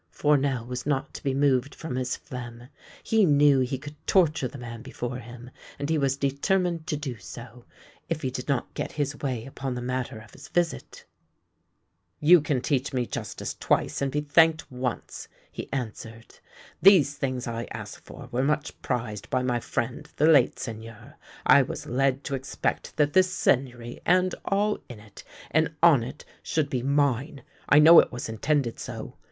Fournel was not to be moved from his phlegm. He knew he could torture the man before him, and he was determined to do so, if he did not get his way upon the matter of his visit. " You can teach me justice twice and be thanked once," he answered. " These things I ask for were much prized by my friend the late Seigneur. I was led to expect that this Seigneury and all in it and on it should be mine. I know it was intended so.